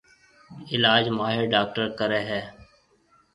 علاج ماھر ڊاڪٽر ڪرَي ھيََََ